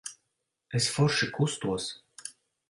Es forši kustos.